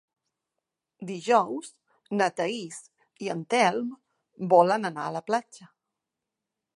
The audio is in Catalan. Dijous na Thaís i en Telm volen anar a la platja.